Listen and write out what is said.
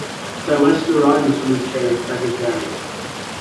Sir Leicester rises from his chair and staggers down again.